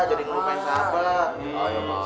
jadi ngelupain sahabat